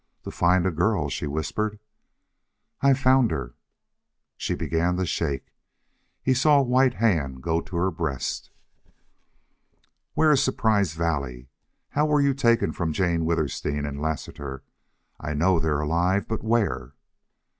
"To find a girl," she whispered. "I've found her!" She began to shake. He saw a white hand go to her breast. "Where is Surprise Valley?... How were you taken from Jane Withersteen and Lassiter?... I know they're alive. But where?"